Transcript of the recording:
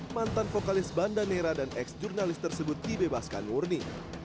mantan vokalis banda nera dan ex jurnalis tersebut dibebaskan murni